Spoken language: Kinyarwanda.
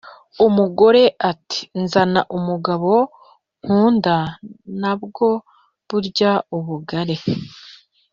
umugore ati “zana mugabo nkunda nabwo burya ubugari.